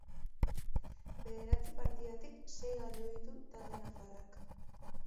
Bederatzi partidatik, sei galdu ditu talde nafarrak.